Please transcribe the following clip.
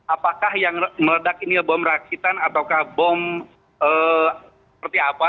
apakah yang meledak ini bom rakitan ataukah bom seperti apa